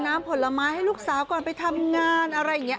ผลไม้ให้ลูกสาวก่อนไปทำงานอะไรอย่างนี้